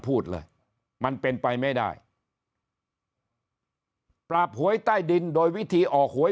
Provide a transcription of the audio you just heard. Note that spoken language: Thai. พูดเลยมันเป็นไปไม่ได้ปราบหวยใต้ดินโดยวิธีออกหวย